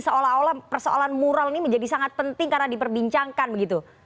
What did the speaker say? seolah olah persoalan moral ini menjadi sangat penting karena diperbincangkan begitu